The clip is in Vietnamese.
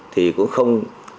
thì cũng không